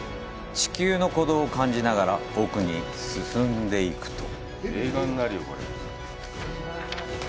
地球の鼓動を感じながら奥に進んでいくと。